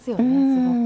すごく。